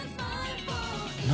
「何？